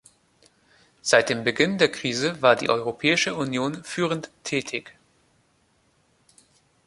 Seit dem Beginn der Krise war die Europäische Union führend tätig.